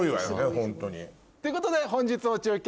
ホントに。ということで本日の中継